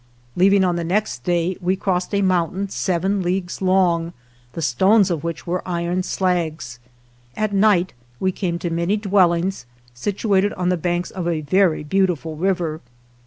41 Leaving on the next day, we crossed a mountain seven leagues long, the stones of which were iron slags. At night we came to many dwellings, situated on the banks of a very beautiful river.